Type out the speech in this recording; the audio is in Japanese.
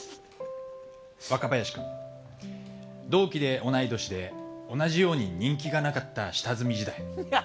若林君同期で同い年で同じように人気がなかった下積み時代。